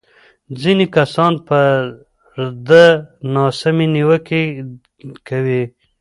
ځینې کسان پر ده ناسمې نیوکې کوي.